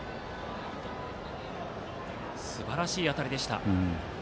すばらしい当たりでした。